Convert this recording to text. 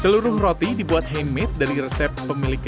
seluruh roti dibuat handmade dari resep pemilik